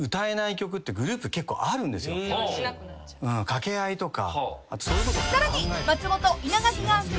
掛け合いとか。